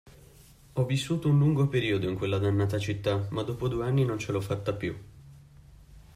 Ho vissuto un lungo periodo in quella dannata città, ma dopo due anni non ce l'ho fatta più